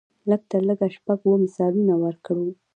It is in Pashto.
لږ تر لږه شپږ اووه مثالونه ورکړو.